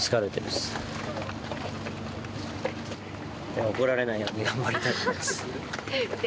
でも、怒られないように頑張りたいと思います。